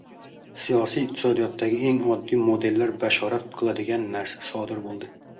Siyosiy iqtisodiyotdagi eng oddiy modellar bashorat qiladigan narsa sodir bo‘ldi.